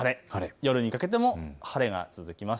夜にかけても晴れが続きます。